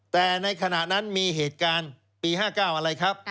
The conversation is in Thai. แต่ในขณะนั้นมีเหตุการณ์ปี๕๙อะไรครับ